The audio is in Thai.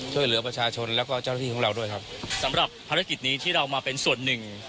ช่วยเหลือประชาชนแล้วก็เจ้าหน้าที่ของเราด้วยครับสำหรับภารกิจนี้ที่เรามาเป็นส่วนหนึ่ง